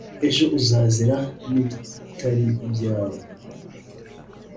ejo uzazira n’ibitari ibyawe